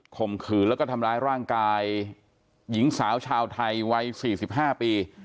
คมขืนแล้วก็ทำร้ายร่างกายหญิงสาวชาวไทยวัยสี่สิบห้าปี